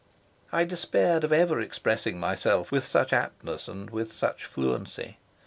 I despaired of ever expressing myself with such aptness or with such fluency.